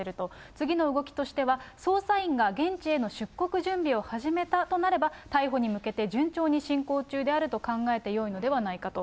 次の動きとしては、捜査員が現地への出国準備を始めたとなれば、逮捕に向けて順調に進行中であると考えてよいのではないかと。